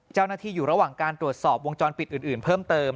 เจ้าหน้าที่อยู่ระหว่างการตรวจสอบวงจรปิดอื่นเพิ่มเติม